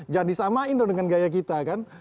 jangan disamain dong dengan gaya kita kan